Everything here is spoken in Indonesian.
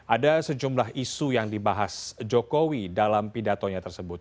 ada sejumlah isu yang dibahas jokowi dalam pidatonya tersebut